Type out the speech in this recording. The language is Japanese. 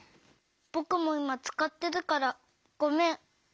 ぼくもいまつかってるからごめん。